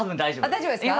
大丈夫ですか？